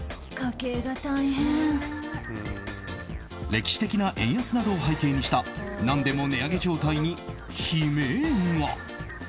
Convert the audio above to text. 歴史的な円安などを背景にした何でも値上げ状態に悲鳴が。